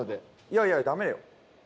いやいやダメよ。